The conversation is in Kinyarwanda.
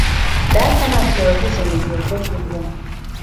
Data ntacyo yavuze mugihe cyo kurya.